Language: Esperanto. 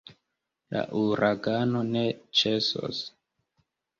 La uragano ne ĉesos.